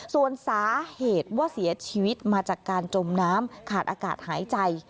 ส่วนสาเหตุว่าเสียชีวิตมาจากการจมน้ำขาดอากาศหายใจ